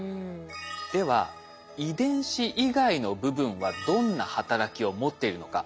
では遺伝子以外の部分はどんな働きを持っているのか。